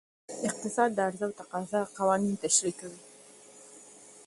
اقتصاد د عرضه او تقاضا قوانین تشریح کوي.